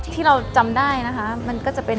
ที่เราจำได้นะคะมันก็จะเป็น